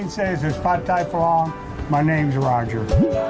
คุณพูดว่าคุณผัดไทยฝรั่งชื่อโรเจอร์